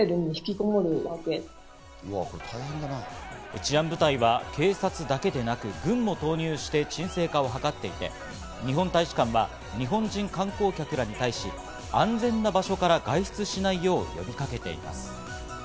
治安部隊は警察だけでなく軍を投入して沈静化をはかっていて、日本大使館は日本人観光客らに対し、安全な場所から外出しないよう呼びかけています。